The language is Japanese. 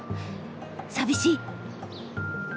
寂しい！